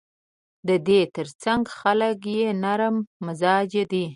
د دې ترڅنګ خلک یې نرم مزاجه دي.